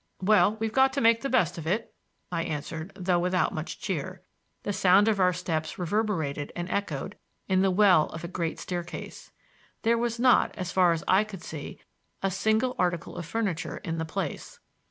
"Well, we've got to make the best of it," I answered, though without much cheer. The sound of our steps reverberated and echoed in the well of a great staircase. There was not, as far as I could see, a single article of furniture in the place.